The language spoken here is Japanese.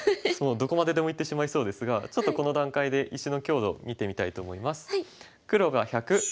どこまででもいってしまいそうですがちょっとこの段階で石の強度を見てみたいと思います。